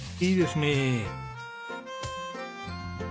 いいですねえ。